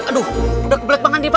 aduh udah kebelet banget nih pak